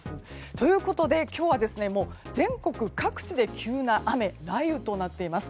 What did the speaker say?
ということで今日は全国各地で急な雨、雷雨となっています。